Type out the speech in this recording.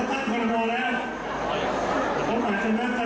แล้วได้เวลาแล้ว